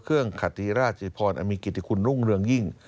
เครื่องขติราชภรอมิกิติคุณรุ่งเรืองยิ่ง